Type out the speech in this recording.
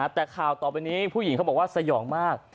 แต่ข่าวต่อไปนี้ผู้หญิงเขาบอกว่าสยองมาก